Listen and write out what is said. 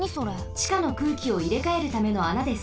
ちかの空気をいれかえるためのあなです。